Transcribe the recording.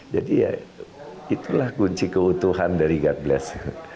jadi ya itulah kunci keutuhan dari god bless